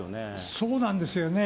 そうなんですよね。